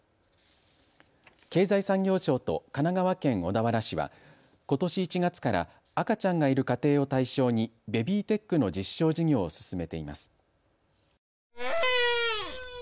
経済産業省と神奈川県小田原市はことし１月から赤ちゃんがいる家庭を対象にベビーテックの実証事業を進めています。